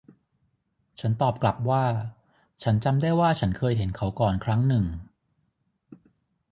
ฉันตอบกลับว่าฉันจำได้ว่าฉันเคยเห็นเขาก่อนครั้งหนึ่ง